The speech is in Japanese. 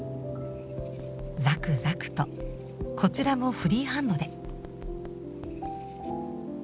ザクザクとこちらもフリーハンドで。